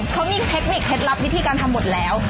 เค้ามีเทคนิคเทศลัพธ์วิธีการทำหมดแล้ว